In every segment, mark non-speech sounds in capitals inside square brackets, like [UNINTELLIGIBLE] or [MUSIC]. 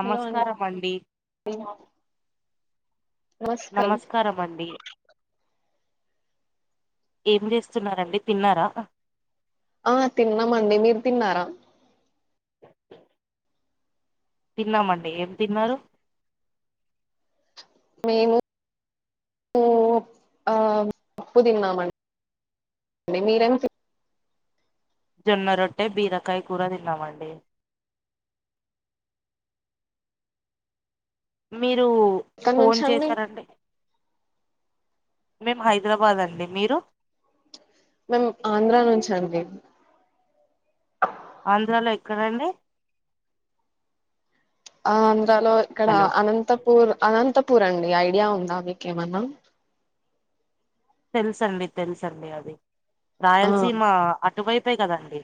Hello అండి [UNINTELLIGIBLE] నమస్కారం నమస్ కారం అండి ఏం చేస్తున్నరండి తిన్నారా ఆ తిన్నామండి మీర్ తిన్నారా తిన్నా మండి ఏం తిన్నారు మేము ప్పూ ఆ అప్పు తిన్నామండ్ ండి మీరేం తీ జొన్న రొట్టె బీరకాయ్ కూర తిన్నామండి మీరు ఎక్కడ ఫోన్ నుంచి అండి చేసారంటె మేమ్ హైదరాబాద్ అండి మీరు మేం ఆంధ్ర నుంచ్ అండి ఆంధ్రాలో ఎక్కరండి అ ఆంధ్రాలో ఇక్కడ హలో అనంతపూర్ అనంతపూర్ అండి ఐడియా ఉందా మీకేమన్నా తెలుసండి తెలుసండి అది ఆ రాయలసీమ అటువైపే కదండి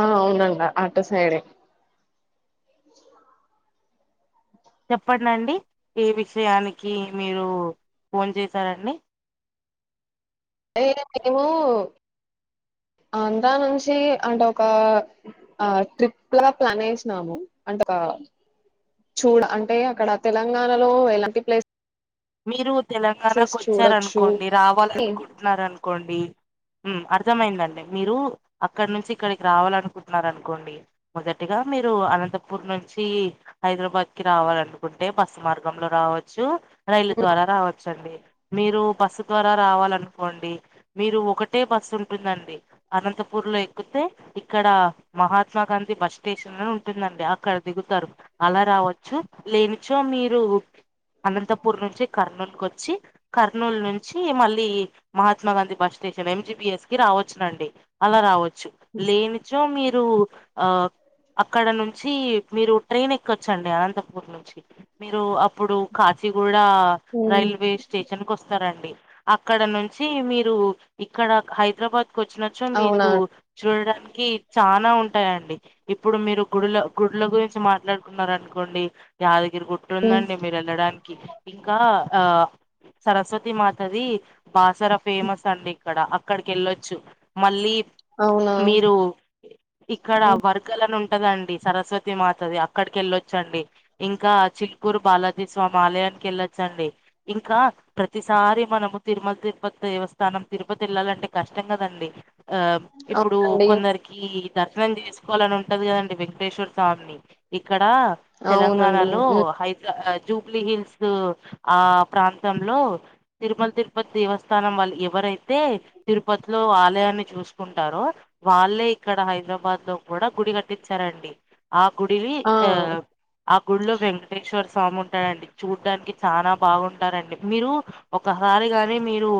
ఆ అవునండ అటు సైడే చెప్పండండి ఏ విషయానికి మీరు పోన్ చేశారండి ఏ మేము అంధ్రా నుంచి అంటే ఒకా ఆ ట్రిప్ లా ప్లాన్ ఏసినాము అంటే ఆ చూడ అంటే అక్కడ తెలంగాణలో ఎలాంటి ప్లేస్ మీరు చూడొచ్చు తెలంగాణకొచ్చారనుకోండి అని రావాలనుకుంటున్నారనుకోండి ఉమ్ అర్థమయిందండి మీరు అక్కడ్ నుంచ్ ఇక్కడిక్ రావాలనుకుంటున్నారనుకోండి మొదటిగా మీరు అనంతపూర్ నుంచి హైదరాబాద్ కి రావాలనుకుంటే బస్సు మార్గంలో రావోచ్చు రైలు ద్వారా రావచ్చండి మీరు బస్సు ద్వారా రావాలనుకోండి మీరు ఒకటే బస్సుంటుందండి అనంతపూర్ లో ఎక్కుతే ఇక్కడ మహాత్మా గాంధీ బస్ స్టేషన్ అని ఉంటుందండి అక్కడ దిగుతారు అలా రావోచ్చు లేనిచో మీరు అనంతపూర్ నుంచి కర్నూల్ కొచ్చి కర్నూల్ నుంచి మళ్ళీ Mahatma Gandhi bus station MGBS కి రావచ్చునండి అలా రావోచ్చు లేనిచో మీరు ఆ అక్కడ నుంచి మీరు ట్రైన్ ఎక్కచ్చండి అనంతపూర్ నుంచి మీరు అప్పుడు కా చిగూడా హ్మ్ రైల్వే స్టేషన్ కోస్తారండి అక్కడ నుంచి మీరు ఇక్కడ హైదరాబాద్ కొచ్చినచ్చో అవునా మీకు చూడడానికి చానా ఉంటాయండి ఇప్పుడు మీరు గుడుల గుడ్ల గురించి మాట్లాడుకున్నారనుకోండి యాదగిరి హ్మ్ గుట్టుందండి మీరేళ్ళడానికి ఇంకా ఆ సరస్వతి మాతది బాసర ఫేమస్ అండి ఇక్కడ అక్కడికెళ్ళొచ్చు మళ్ళీ అవునా మీరు ఇక్కడ వర్గలన్ ఉంటదండి సరస్వతి మాతది అక్కడికెళ్ళొచ్చండి ఇంకా చిల్కూరు బాలాజీ స్వామ్ ఆలయానికేళ్ళొచ్చండి ఇంకా ప్రతిసారి మనము తిరుమల్ తిరుపత్ దేవస్థానం తిరుపతెళ్లాలంటే కష్టం కదండి ఆప్ ఇప్పుడు అవునండి. కొందరి కీ దర్శనం చేసుకోవాలన్ ఉంటది కదండి వెంకటేశ్వర స్వామిని ఇక్కడ అవునండి. తెలంగాణలో హ్మ్. హైదరా అ జూబ్లీ హిల్స్ ఆ ప్రాంతంలో తిరుమల్ తిరుపత్ దేవస్థానం వాళ్ళు ఎవరైతే తిరుపతిలో ఆలయాన్ని చూసుకుంటారో వాళ్ళే ఇక్కడ హైదరాబాద్ లో కూడ గుడి కట్టించారండి. ఆ గుడివి ఆ, ఆ గుడిలో వెంకటేశ్వర స్వామి ఉన్ టాడండి చూడ్డానికి చాన బాగుంటారండి మీరు ఒకసారిగానీ మీరు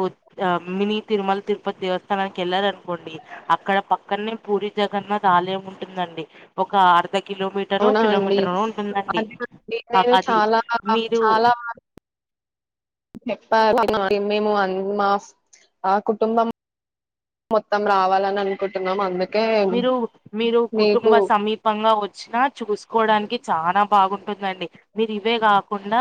ఆ మినీ తిరుమల తిరుపతి దేవస్థానానికి వెళ్లారనుకోండి అక్కడ పక్కనే పూరి జగన్నాథ్ ఆలయం ఉంటుందండి ఒక అర్ధ కిలోమీ అవునా అండి అదే అండి ఆ- నేను అది చాలా రకాలు మీరు చాలా మార్ చెప్పారండి మాకి. మేము అన్ మా మా కుటుంబం మొత్తం రావాలని అనుకుంటున్నాం అందుక్ మీరు మీరు కుటుంబ సమీ తప్పంగా వచ్చినా చూసుకోవడానికి చాన బాగుంటుందండి మీరు ఇవే కాకుండా,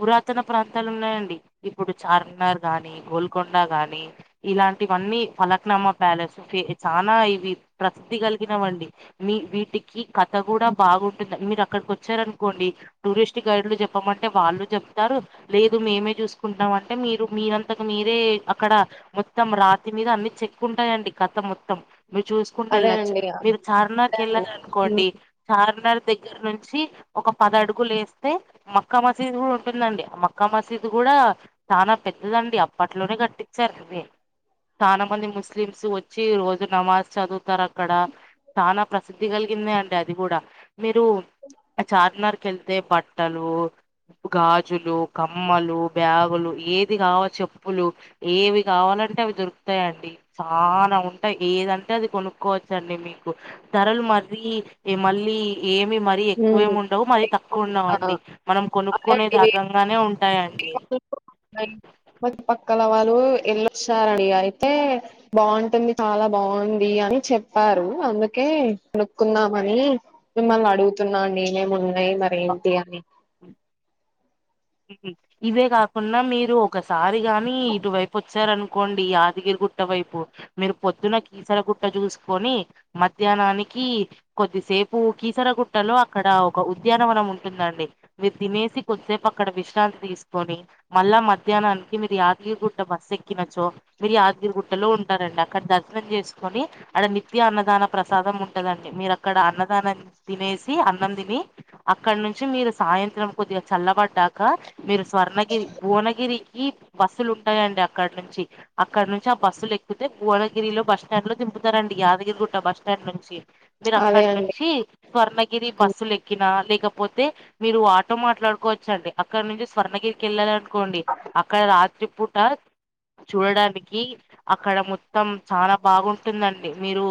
పురాతన ప్రాంతాలు ఉన్నాయండి ఇప్పుడు చార్మినార్ గాని, గోల్కొండ గాని ఇలాంటివన్నీ ఫలక్నామా ప్యాలెస్ ఓకె చానా ఇవి ప్రసిద్ధి కలిగినవండి. మీ వీటికి కథ కూడా బాగుంటుంది, మీరు అక్కడికి వచ్చారనుకోండి టూరిస్ట్ గైడ్లు చెప్పమంటే వాళ్ళు చెప్తారు. లేదు మేమే చూసుకుంటాం అంటే మీరు మీరంతక మీరే అక్కడ మొత్తం రాతి మీద అన్ని చెక్కుంటాయండి కథ మొత్తం మీరు చూస్ కుంట అదే ఎళ్ళచ్చు అండి. అదే మీరు చార్మినార్ కి అండి. హ్మ్. వెళ్ళారనుకోండి చార్మినార్ దెగ్గర నుంచి ఒక పదడుగులు ఏస్తే మక్కామసీదు కూడ ఉంటుందండి. ఆ మక్కా మసీద్ కూడ చానా పెద్దదండి అప్పట్లోనే కట్టిచ్చారు అది చానా మంది ముస్లిమ్స్ వచ్చి రోజు నమాజ్ చదువు తారు అక్కడ చానా ప్రసిద్ధి కలిగిందే అండి అది కూడ మీరు చార్మినార్ కి వెళ్తే బట్టలు గాజులు, కమ్మలు, బ్యాగులు ఏది కావా చెప్పులు ఏవి కావాలంటే అవి దొరుకుతాయండి చానా ఉంటాయి ఏదంటే అది కొను కోచ్చండి మీకు ధరలు మరీ ఎ మళ్ళీ ఏమి మర్ రీ ఎక్కువేమి హ్మ్. ఉండవు మరీ తక్కువ ఉండవు ఆ! అండి మనం అదే కొనుక్కునే అండి వే గగంగానే ఉంటాయండి. మ ఇం పక్ పక్కల వాళ్ళు ఎల్ళొస్తారడి అయితే, బాగుంటుంది చాలా బాగుంది అని చెప్పారు. అందుకే కొనుక్కుందామని, మిమ్మల్ని అడుగుతున్నా నేనేమి ఉన్నాయి మరేంటి అని మ్ ఇవే కాకుండా మీరు ఒకసారిగాని ఇటువైపు వచ్చారను కోండి యాదగిరి గుట్ట వైపు మీరు పొద్దున్న కీసరగుట్ట చూసుకొని మధ్యాహ్నానికి కొద్దిసేపు కీసరగుట్టలో అక్కడ ఒక ఉద్యానవనం ఉంటుందండి మీరు తినేసి కొద్దిసేపు అక్కడ విశ్రాంతి తీసుకొని, మళ్ళా మధ్యాహ్నానికి మీరు యాదగిరి గుట్ట బస్సు ఎక్కినచో మీరు యాదగిరిగుట్టలో ఉంటారండి అక్కడ దర్శనం చేసుకొని, ఆడ నిత్య అన్నదాన ప్రసాదం ఉంటదండి మీరు అక్కడ అన్నదానం తినేసి అన్నం తిని, అక్కడ నుంచి మీరు సాయంత్రం కొద్దిగ చల్లబడ్డ కా మీరు స్వర్ణగిరి, భువనగిరికి బస్సులు ఉంటాయండి అక్కడ నుంచి. అక్కడ నుంచి ఆ బస్సులు ఎక్కితే భువనగిరిలో బస్ స్టాండ్ లో దింపుతారండి, యాదగిరిగుట్ట బస్ స్టాండ్ నుంచి. మీరు అదే అక్కడి అండి నుంచి స్వర్ణగిరి హ్మ్. బస్సులెక్కినా లేకపోతే మీరు ఆటో మాట్లాడుకోవచ్చండి. అక్కడ నుంచి స్వర్ణగిరికి వెళ్ళాలనుకోండి అక్కడ రాత్రి పూట చూడడానికి అక్కడ మొత్తం చానా బాగుంటుందండి మీరు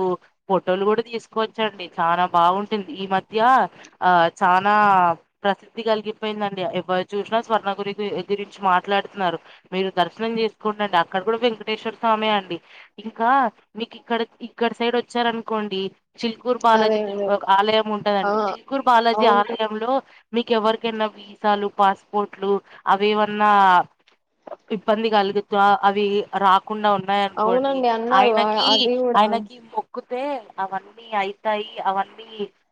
ఫోటోలు కూడా తీసుకోవచ్చండి చాలా బాగుంటుంది ఈ మధ్య ఆ చానా ప్రసిద్ధి కలిగిపోయిందండి చూసినా స్వర్ణ గురి గురించి మాట్లాడుతున్నారు మీరు దర్శనం చే చేస్కోండండి అక్కడ కూడా వెంకటేశ్వర స్వామే అండి ఇంకా మీకు ఇక్కడ ఇక్కడ సైడ్ వచ్చారనుకోండి చిల్కూర్ అదే బాలాజీ అదే ఆలయం ఆ ఉంటదండి చిల్కూరి బాలాజీ అవునండి ఆలయంలో మీకు ఎవరికైనా వీసాలు పాస్పోర్ట్లు అవి ఎవన్నా ఇబ్బంది కలుగుతా అవి రా కుండా ఉన్నాయినుకోండి అవునండి అన్నారు ఆ! ఆయనకి అది కూడా ఆయనకి మొక్కుతే అవన్నీ అయితాయి అవన్నీ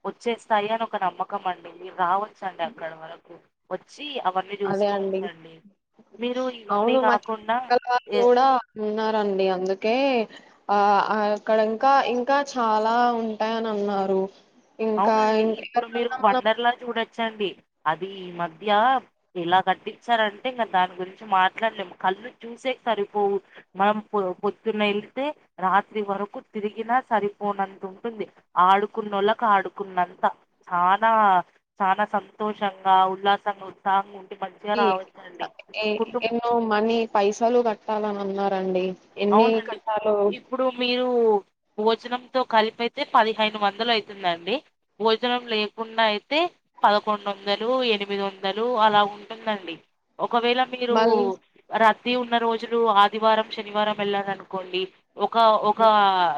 వచ్చేస్తాయి అని ఒక నమ్మకం అండి మీరు రావచ్చండి అక్కడి వరకు వచ్చి అ అవి అదే అండి చూసుకకోవచ్చండి మీరు ఇవన్నీ అవును మా కాకుండా చుట్టుపక్కల వాళ్ళు ఏ కూడా ఉన్నారండి అందుకే ఆ అక్కడ ఇంకా ఇంకా చాలా ఉంటాయని అన్నారు ఇంకా అవునండి ఇంకా ఇప్పుడు మీరు ఎవరికన్నా మనం వండర్లా చూడొచ్చండి అది ఈ మధ్య ఇలా కట్టించారంటే ఇంకా దాని గురించి మాట్లాడలేము కళ్ళు చూసేకి సరిపోవు మనం పొ పొద్దున వెళ్తే రాత్రి వరకు తిరిగినా సరిపోనంత ఉంటుంది ఆడుకునోళ్ళ ఆడుకున్నంత చానా చానా సంతోషంగా ఉల్లాసంగా సాాంగ్ ఉంటే మంచిగా రావచ్చండి కుటుంబం ఓ మనీ పైసలు కట్టాలని అన్ అన్నారండి ఎన్ని అవునండి కట్టాలో ఇప్పుడు మీరు భోజనంతో కలిపి అయితే పదిహేను వందలు అవుతుందండి భోజనం లేకుండా అయితే పదకొండు వందలు ఎనిమిది వందలు అలా ఉంటుందండి ఒకవేళ మీరు మళ్ళీ రద్దీ ఉన్న రోజులు ఆదివారం శనివారం వెళ్ళాలనుకోండి ఒక ఒక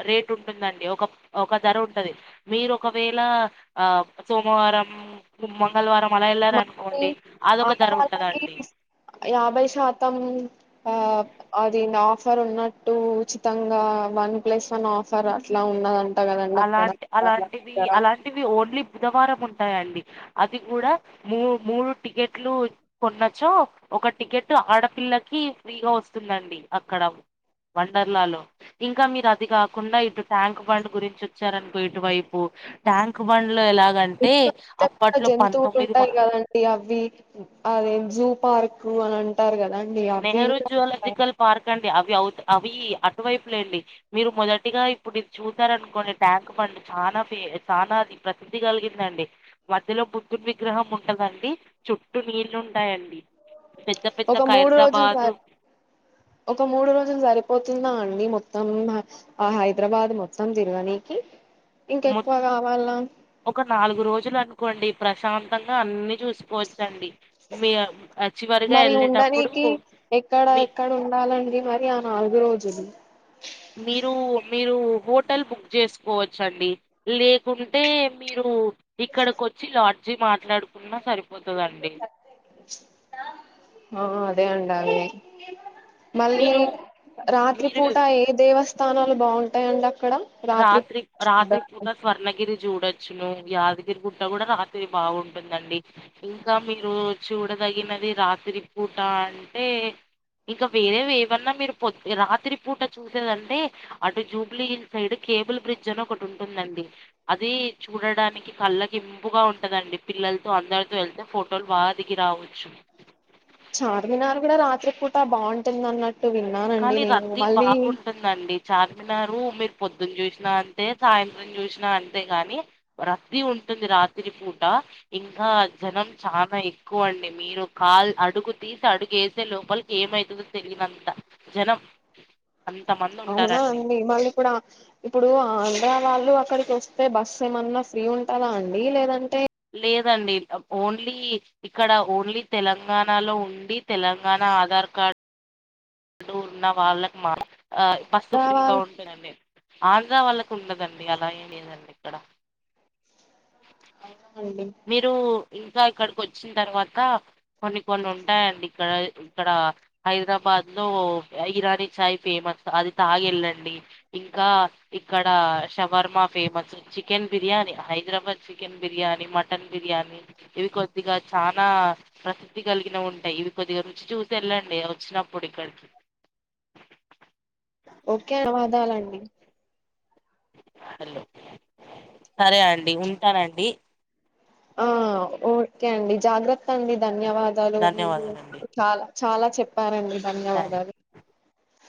రేట్ ఉంటుందండి ఒక ఒక ధర ఉంటది మీరు ఒకవేళ ఆ సోమవారం మంగళవారం అలా మళ్ళీ వెళ్ళారనుకోండి అదొక ధర ఆడవాళ్ళకి ఉంటుందండి యాభై శాతం ఆ అది ఆఫర్ ఉన్నట్టు ఉచితంగా వన్ ప్లస్ వన్ ఆఫర్ అట్లా ఉన్నదం అలాంటి అలాంటివి అలాంటివి ఓన్లీ బుధవారం ఉంటాయండి అది కూడా మూ మూడు టికెట్లు కొన్నచో ఒక టికెట్ ఆడపిల్లకి ఫ్రీగా వస్తుందండి అక్కడ వండర్లా లో ఇంకా మీరు అది కాకుండా ఇటు ట్యాంక్ బండ్ గురించి వచ్చారనుకో ఇటు వైపు ట్యాంక్ బండ్ లో ఎలాగంటే ఇంకా పెద్ద పెద్ద అప్పట్లో జంతువులు పంతొమ్మిది ఉంటాయి కదండి అవి అదే జూ పార్కు అని అంటారు కదాండి అవి ఉంటాయి. పార్కండి అవి అవు అవి అటువైపు లేండి మీరు మొదటిగా ఇప్పుడు ఇది చూసారనుకోండి ట్యాంక్ ఫండ్ చానా ఫే చానా అది ప్రసిద్ధి కలిగిందండి మధ్యలో బుద్ధుడి విగ్రహం ఉంటదండి చుట్టూ నీళ్ళు ఉంటాయండి పెద్ద పెద్ద ఒక మూడు రోజులు ఖైరతాబాద్ సార్ ఒక మూడు రోజులు సరిపోతుందా అండి మొత్తం మ్యక్స్ ఆ హైదరాబాద్ మొత్తం తిరగనీనకి మొ ఇంకెక్కువ కావాల్నా ఒక నాలుగు రోజులు అనుకోండి ప్రశాంతంగా అన్ని చూసుకోవచ్చండి మీ చివరిగా మరి వెళ్ళేటప్పుడు ఉండనికి ఎక్కడ మీ ఎక్కడ ఉండాలండి మరి ఆ నాలుగు రోజులు మీరు మీరు హోటల్ బుక్ చేసుకోవచ్చండి లేకుంటే మీరు ఇక్కడికి వచ్చి లాడ్జీ మాట్లాడుకున్నా సరిపోతుందండి ఆ అదే వండాలి మళ్ళీ మీరు మీరు రాత్రిపూట ఏ దేవస్థానాలు బాగుంటాయండి అక్కడ రాత్రి రాత్రి పూట స్వర్ణగిరి చూడొచ్చును యాదగిరి గుట్ట కూడా రాత్రి బాగుంటుందండి ఇంకా మీరు చూడదగినది రాత్రి పూట అంటే ఇంకా వేరే ఏవన్నా మీరు పొద్ రాత్రి పూట చూసేదంటే అటు Jubilee Hills side cable bridge అని ఒకటి ఉంటుందండి అది చూడడానికి కళ్ళకింపుగా ఉంటదండి పిల్లలతో అందరితో వెళ్తే ఫోటో బా దిగి రావచ్చు చార్మినార్ కూడా రాత్రి పూట బాగుంటుంది అన్నట్టు విన్నానండి నేను మళ్ళీ వస్తుందండి చార్మినారు మీరు పొద్దున్న చూసినా అంతే సాయంత్రం చూసినా అంతే గానీ రద్దీ ఉంటుంది రాత్రి పూట ఇంకా జనం చాలా ఎక్కువ అండి మీరు కాల్ అడుగు తీసి అడుగు ఏసే లోపల ఏమవుతదో తెలియనంత జనం అంతమంది అవునా అండి మళ్ళీ ఇప్పుడ ఇప్పుడు ఆంధ్ర వాళ్ళు అక్కడికి వస్తే బస్సు ఏమన్నా ఫ్రీ ఉంటదా అండి లేదంటే లేదండి ఓన్లీ ఇక్కడ ఓన్లీ తెలంగాణలో ఉండి తెలంగాణ ఆధార్ కార్డ్ ఉన్న వాళ్ళకి మా ఆ బస్సు ఫ్రీగా రావాలి ఉన్ ఉంటదండి ఆంధ్రా వాళ్ళకు ఉండదండి అలా ఏం లేదండి ఇక్కడ అవునా అండి మీరు ఇంకా ఇక్కడికి వచ్చిన తర్వాత కొన్ని కొన్ని ఉంటాయండి ఇక్కడ ఇక్కడ హైదరాబాద్ లో ఇరానీ చాయ్ ఫేమస్ అది తాగెళ్ళండి ఇంకా ఇక్కడ షవర్మ ఫేమస్ చి chicken biryani Hyderabad chicken biryani mutton biryani ఇవి కొద్దిగా చానా ప్రసిద్ధి కలిగినవి ఉంటాయి ఇవి కొద్దిగా రుచి చూసి వెళ్ళండి వచ్చినప్పుడు ప్పుడు ఇక్కడికి ఓకే అ వాదాలండి హలో సరే అండి ఉంటానండి ఆ ఓకే అండి జాగ్రత్త అండి ధన్యవాదాలు మీరు ధన్యవాదాలండి చాలా చాలా చెప్పారండి థ్యాంక్ ధన్యవాదాలు